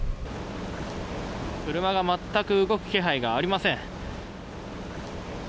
車が全く動く気配がありません。